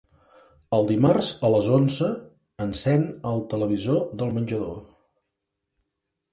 Els dimarts a les onze encèn el televisor del menjador.